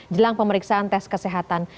jelang pemeriksaan tes kesehatan